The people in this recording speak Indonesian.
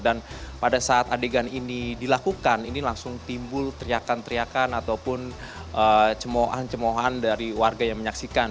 dan pada saat adegan ini dilakukan ini langsung timbul teriakan teriakan ataupun cemohan cemohan dari warga yang menyaksikan